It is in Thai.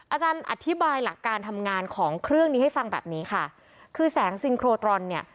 อาจารย์อธิบายหลักการทำงานของเครื่องนี้ให้ฟังแบบนี้ค่ะคือแสงซินโครตรอนเนี่ย